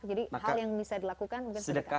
jadi hal yang bisa dilakukan mungkin sedekah